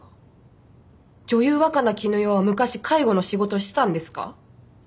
女優若菜絹代は昔介護の仕事をしてたんですか？